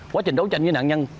quá trình đấu tranh với nạn nhân